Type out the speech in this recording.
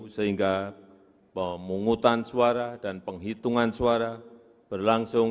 sehingga pemungutan suara dan penghitungan suara berlangsung